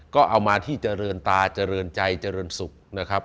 ก็เอามาที่เจริญตาเจริญใจเจริญสุขนะครับ